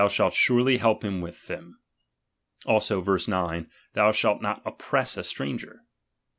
shall surely help with him. Also (verse 9) : Thou shall not oppress a stranger.